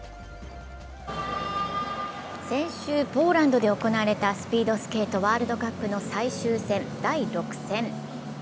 先週ポーランドで行われたスピードスケート、ワールドカップの最終戦第６戦。